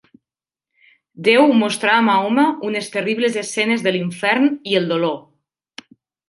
Déu mostrà a Mahoma unes terribles escenes de l'infern i el dolor.